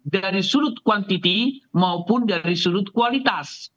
dari sudut kuantiti maupun dari sudut kualitas